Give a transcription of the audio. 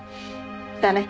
だね。